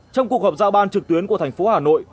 trong cuộc họp giao ban trực tuyến của thành phố hà nội